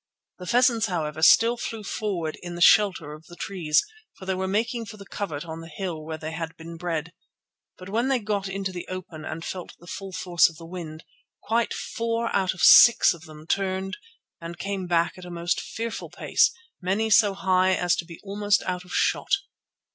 The pheasants, however, still flew forward in the shelter of the trees, for they were making for the covert on the hill, where they had been bred. But when they got into the open and felt the full force of the wind, quite four out of six of them turned and came back at a most fearful pace, many so high as to be almost out of shot.